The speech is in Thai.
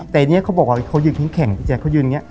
แต่เนี้ยเขาบอกว่าเขายืนแข็งเขายืนอย่างเงี้ย